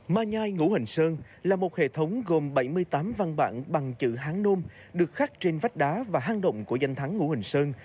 ma nhai ngũ hành sơn là một hệ thống gồm bảy mươi tám văn bản bằng chữ hán nôm được khắc trên vách đá và hang động của danh thắng ngũ hình sơn